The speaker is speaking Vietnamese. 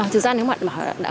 thực ra nếu bạn bảo